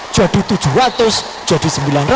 jadi tujuh ratus jadi sembilan ratus